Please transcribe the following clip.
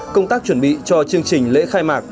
công tác chuẩn bị cho chương trình lễ khai mạc